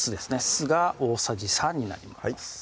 酢が大さじ３になります